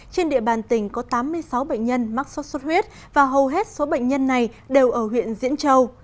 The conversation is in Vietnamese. trên địa bàn tỉnh có tám mươi sáu bệnh nhân mắc sốt xuất huyết và hầu hết số bệnh nhân này đều ở huyện diễn châu